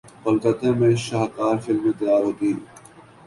کلکتہ میں شاہکار فلمیں تیار ہوتیں۔